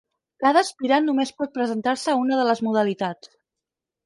Cada aspirant només pot presentar-se a una de les modalitats.